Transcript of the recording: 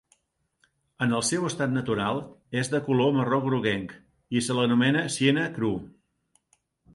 En el seu estat natural, es de color marró groguenc i se l'anomena "sienna cru".